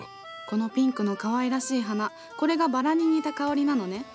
このピンクのかわいらしい花これがバラに似た香りなのね。